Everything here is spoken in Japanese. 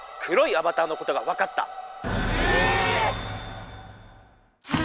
黒いアバターのことがわかった。